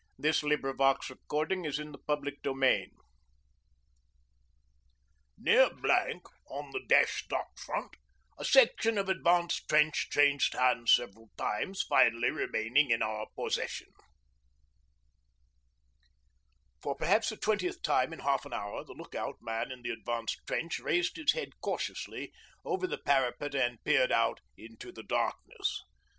THE SIGNALLER'S DAY BETWEEN THE LINES THE ADVANCED TRENCHES '_Near Blank, on the Dash Dot front, a section of advanced trench changed hands several times, finally remaining in our possession._' For perhaps the twentieth time in half an hour the look out man in the advanced trench raised his head cautiously over the parapet and peered out into the darkness.